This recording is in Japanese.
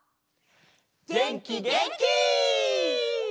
げんきげんき！